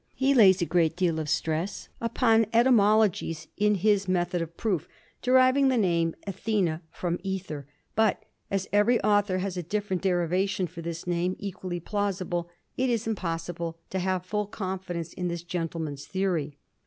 He lays a great deal of stress upon etymologies in his method of proof, deriving the name Athena from æther, but as every author has a different derivation for this name equally plausible, it is impossible to have full confidence in this gentleman's theory.